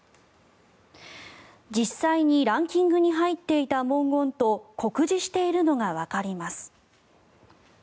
実際にランキングに入っていた文言と酷似しているのがわかります。